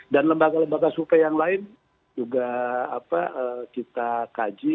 dan lembaga lembaga survei yang lain juga kita kaji